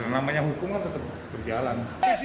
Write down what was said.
namanya hukum kan tetap berjalan